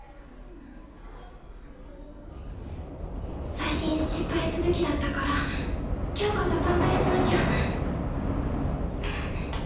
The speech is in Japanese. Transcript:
最近失敗続きだったから今日こそ挽回しなきゃ！